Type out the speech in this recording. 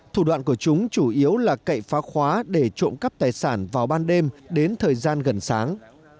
thủ đoạn của chúng chủ yếu là cậy phá khóa để trộm cắp tài sản vào ban đêm đến thời gian gần sáng